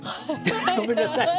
ごめんなさい。